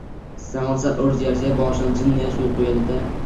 Zamon sal o’zgarsa, boshidan jinday suv quyadi-da